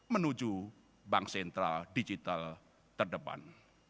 menuju bank sentral digital terdepan